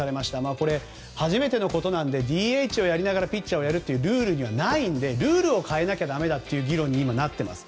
これは初めてのことなのでＤＨをやりながらピッチャーをやるというルールはないのでルールを変えなきゃだめだという議論に今、なっています。